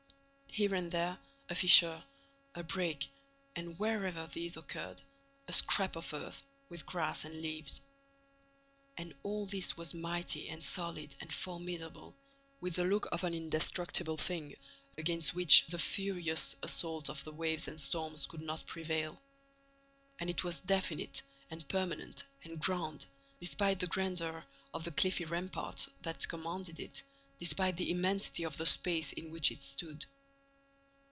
Here and there, a fissure, a break; and, wherever these occurred, a scrap of earth, with grass and leaves. And all this was mighty and solid and formidable, with the look of an indestructible thing against which the furious assault of the waves and storms could not prevail. And it was definite and permanent and grand, despite the grandeur of the cliffy rampart that commanded it, despite the immensity of the space in which it stood.